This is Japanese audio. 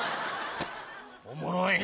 おもろい！